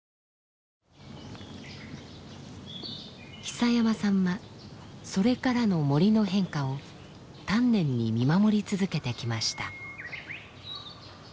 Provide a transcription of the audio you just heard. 久山さんはそれからの森の変化を丹念に見守り続けてきました。